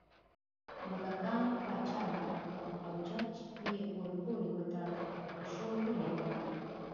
موږکانو پاچا وټاکه او چج یې ورپورې وتړه خو پېشو ونیوه